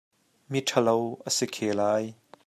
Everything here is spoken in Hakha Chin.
Miṭhalo a si khe lai.